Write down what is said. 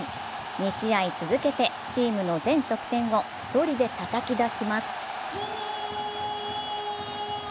２試合続けでチームの全得点を１人でたたき出します。